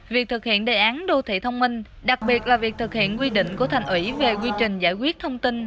việc thực hiện đề án đô thị thông minh đặc biệt là việc thực hiện quy định của thành ủy về quy trình giải quyết thông tin